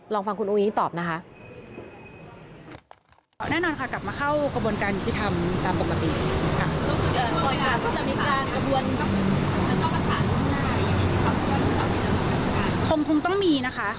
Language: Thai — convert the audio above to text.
ลองฟังคุณอุ้งตอบนะคะ